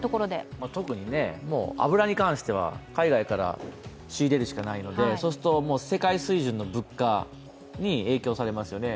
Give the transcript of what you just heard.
特に油に関しては海外から仕入れるしかないので、そうすると世界水準の物価に影響されますよね。